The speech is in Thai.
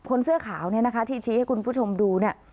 เสื้อขาวเนี่ยนะคะที่ชี้ให้คุณผู้ชมดูเนี่ย